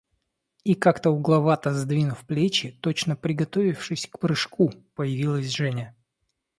И, как-то угловато сдвинув плечи, точно приготовившись к прыжку, появилась Женя.